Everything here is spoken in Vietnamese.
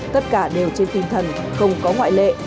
tất cả đều trên tinh thần không có ngoại lệ